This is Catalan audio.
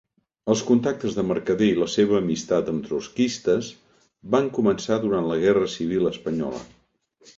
Els contactes de Mercader i la seva amistat amb trotskistes van començar durant la Guerra Civil espanyola.